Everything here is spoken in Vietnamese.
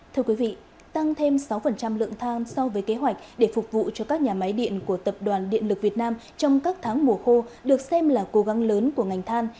thưa quý vị tăng thêm sáu lượng than so với kế hoạch để phục vụ cho các nhà máy điện của tập đoàn điện lực việt nam trong các tháng mùa khô được xem là cố gắng lớn của ngành than